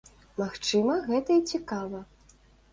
Магчыма, гэта і цікава!